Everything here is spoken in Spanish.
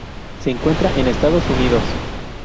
Se encuentra en Estados Unidos.